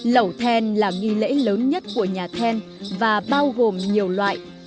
lẩu then là nghi lễ lớn nhất của nhà then và bao gồm nhiều loại